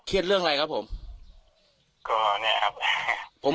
เครียดเรื่องอะไรครับผม